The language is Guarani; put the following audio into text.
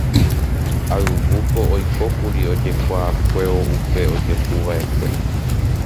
Ayvúko oikókuri ojekuaakuévo upe ojehuva'ekue.